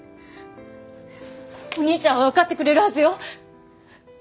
お兄ちゃんはわかってくれるはずよ！